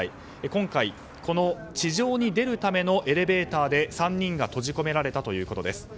今回、この地上に出るためのエレベーターで３人が閉じ込められたということです。